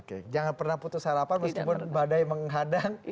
oke jangan pernah putus harapan meskipun badai menghadang